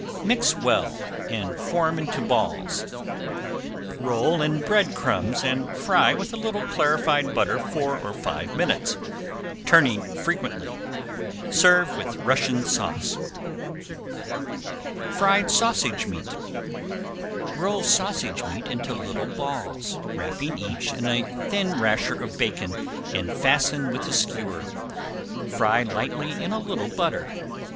Mix well and form into balls. Roll in bread crumbs and fry with a little clarified butter four or five minutes, turning frequently. Serve with Russian sauce. ~FRIED SAUSAGE MEAT~ Roll sausage meat into small balls, wrapping each in a thin rasher of bacon and fasten with a skewer. Fry lightly in a little butter.